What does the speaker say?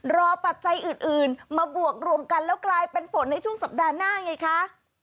ปัจจัยอื่นมาบวกรวมกันแล้วกลายเป็นฝนในช่วงสัปดาห์หน้าไงคะ